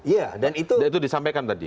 iya dan itu disampaikan tadi